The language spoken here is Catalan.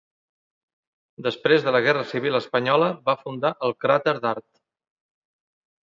Després de la guerra civil espanyola, va fundar el Cràter d'art.